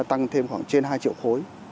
tăng thêm khoảng trên hai triệu khối